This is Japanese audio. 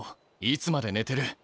いつまで寝てる？